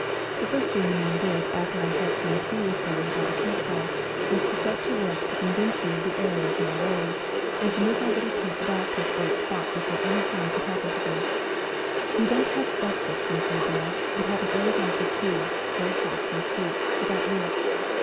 The first thing the men did after I had had some tea with them by C2 24 A SERBIAN AMBULANCE the camp fire was to set to work to con vince me of the error of my ways, and to move my little tent back to its old spot before any harm could happen to me. We don't have breakfast in Serbia, but have an early glass of tea, very hot and sweet, without milk.